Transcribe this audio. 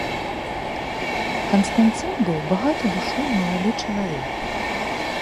Канстанцін быў багаты душой малады чалавек.